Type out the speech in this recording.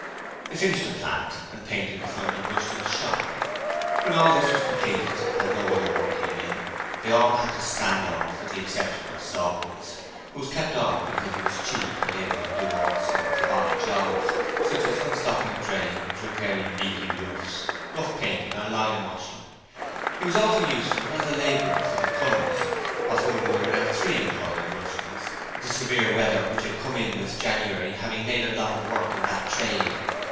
They finished the 'plant' and painted the front of Rushton's shop. When all this was completed, as no other work came in, they all had to 'stand off' with the exception of Sawkins, who was kept on because he was cheap and able to do all sorts of odd jobs, such as unstopping drains, repairing leaky roofs, rough painting or lime washing, and he was also useful as a labourer for the plumbers, of whom there were now three employed at Rushton's, the severe weather which had come in with January having made a lot of work in that trade.